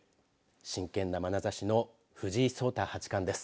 真剣なまなざしの藤井聡太八冠です。